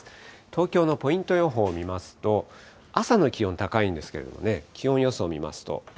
東京のポイント予報を見ますと、朝の気温高いんですけれどもね、気温予想見ますと。